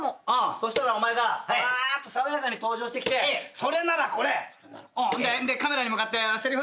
そしたらお前がばっと爽やかに登場してきて「それならこれ」でカメラに向かってせりふ。